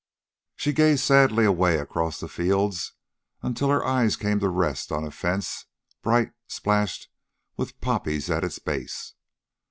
She gazed sadly away across the fields until her eyes came to rest on a fence bright splashed with poppies at its base.